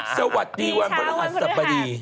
สวัสดีวันพระรหัสสบดี